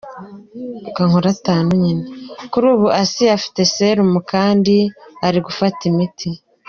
Kuri ubu Asinah afite serumu kandi ari gufata imiti.